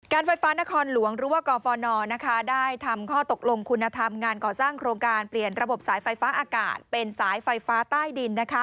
ไฟฟ้านครหลวงหรือว่ากฟนได้ทำข้อตกลงคุณธรรมงานก่อสร้างโครงการเปลี่ยนระบบสายไฟฟ้าอากาศเป็นสายไฟฟ้าใต้ดิน